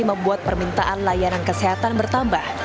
membuat permintaan layanan kesehatan bertambah